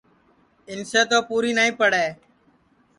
اِنسے تو پوری نائی پڑے